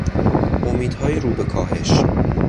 امیدهای رو به کاهش